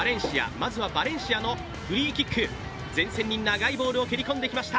まずはバレンシアのフリーキック、前線に長いボールを蹴りこんできました。